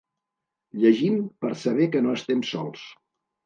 Llegim per saber que no estem sols.